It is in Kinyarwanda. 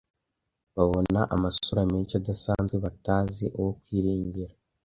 Babona amasura menshi adasanzwe batazi uwo kwiringira.